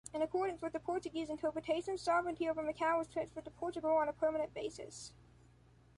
In accordance with the Portuguese interpretation, sovereignty over Macau was transferred to Portugal on a permanent basis.